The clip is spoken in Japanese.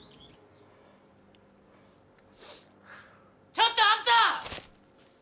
ちょっとあんた！